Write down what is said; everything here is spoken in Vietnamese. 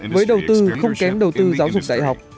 với đầu tư không kém đầu tư giáo dục đại học